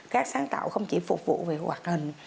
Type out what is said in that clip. các sáng tạo không chỉ phục vụ về hoạt hình